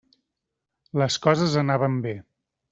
Les coses anaven bé.